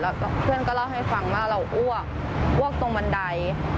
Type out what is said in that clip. แล้วเพื่อนก็เล่าให้ฟังว่าเราอ้วกอ้วกตรงบันได